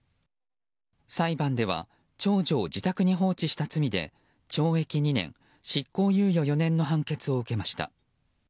裁判では長女を自宅に放置した罪で懲役２年、執行猶予４年の判決を受けました。